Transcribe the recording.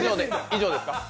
以上です。